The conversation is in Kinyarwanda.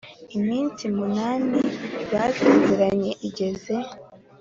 iminsi munani basezeranye igeze,